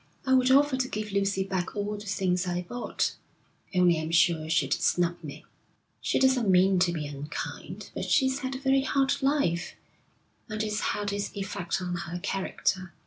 'I would offer to give Lucy back all the things I bought, only I'm sure she'd snub me.' 'She doesn't mean to be unkind, but she's had a very hard life, and it's had its effect on her character.